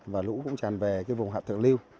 và lũ cũng tràn về vùng hạ thượng liu